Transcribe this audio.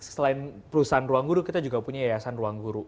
selain perusahaan ruang guru kita juga punya yayasan ruang guru